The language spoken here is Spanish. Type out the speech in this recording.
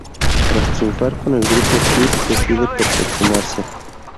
Tras triunfar con el grupo Chess decide perfeccionarse.